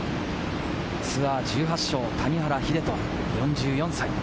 ツアー１８勝、谷原秀人、４４歳。